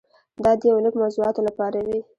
دا د یو لړ موضوعاتو لپاره وي.